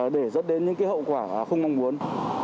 để dẫn đến những hậu quả không mong muốn